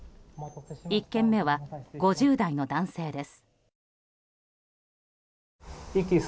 １件目は５０代の男性です。